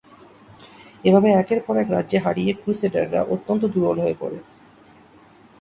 এভাবে একের পর রাজ্য হারিয়ে ক্রুসেডাররা অত্যন্ত দুর্বল হয়ে পড়ে।